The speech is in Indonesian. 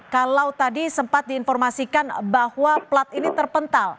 kalau tadi sempat diinformasikan bahwa plat ini terpental